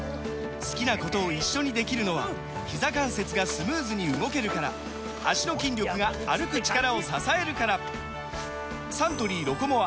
好きなことを一緒にできるのはひざ関節がスムーズに動けるから脚の筋力が歩く力を支えるからサントリー「ロコモア」！